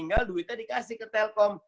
tinggal duitnya dikasih ke telkom